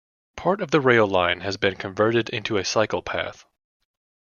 Part of the rail line has been converted into a cycle path.